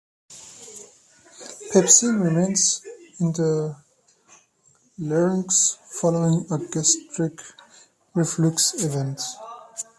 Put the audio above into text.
Pepsin remains in the larynx following a gastric reflux event.